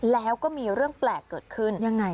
แล้วก็มีเรื่องแปลกเกิดขึ้นยังไง